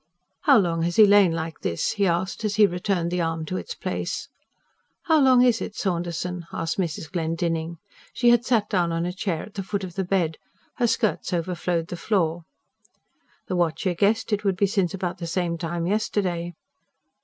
"How long has he lain like this?" he asked, as he returned the arm to its place. "How long is it, Saunderson?" asked Mrs. Glendinning. She had sat down on a chair at the foot of the bed; her skirts overflowed the floor. The watcher guessed it would be since about the same time yesterday.